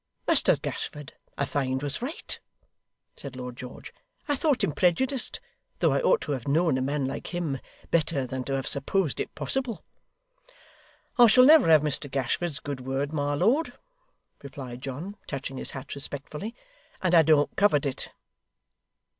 'Mr Gashford, I find, was right,' said Lord George; 'I thought him prejudiced, though I ought to have known a man like him better than to have supposed it possible!' 'I shall never have Mr Gashford's good word, my lord,' replied John, touching his hat respectfully, 'and I don't covet it.